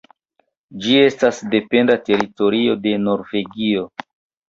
Ĝi estas dependa teritorio de Norvegio.